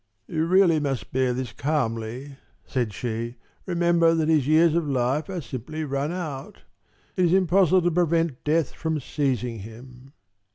"You really must bear this calmly," said she. "Remember that his years of life are simply run out. It is impossible to prevent death from seizing him."